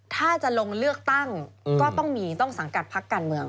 ถ้าจะลงเลือกตั้งก็ต้องมีต้องสังกัดพักการเมือง